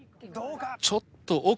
ちょっと奥。